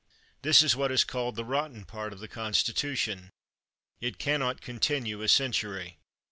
This is what is called the rotten part of the Constitu tion. It can not continue a century.